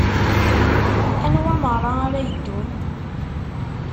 Anwa meṛṛa ara yeddun?